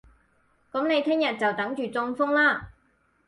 噉你聽日就等住中風啦